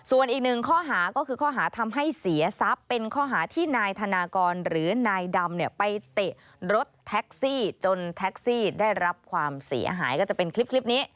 ส่วนอีกหนึ่งข้อหาก็คือข้อหาทำให้เสียทรัพย์เป็นข้อหาที่นายธนากรหรือนายดำเนี่ยไปเตะรถแท็กซี่จนแท็กซี่ได้รับความเสียหายก็จะเป็นคลิปนี้